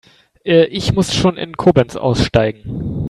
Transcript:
Ich muss schon in Koblenz aussteigen